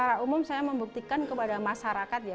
secara umum saya membuktikan kepada masyarakat ya